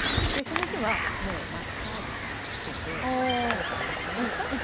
でその日はもうマスタードとかつけて食べちゃえばいいんじゃないですか。